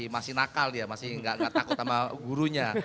masih nakal dia masih nggak takut sama gurunya